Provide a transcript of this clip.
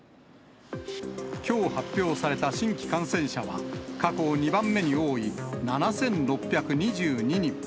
きょう発表された新規感染者は、過去２番目に多い７６２２人。